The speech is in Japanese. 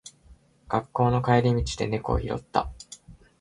学校の帰り道で猫を拾った。